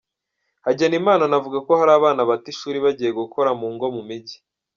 Hagenimana anavuga ko hari n’abana bata ishuri bagiye gukora mu ngo mu mijyi.